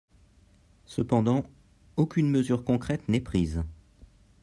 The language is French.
Cependant, aucune mesure concrète n’est prise.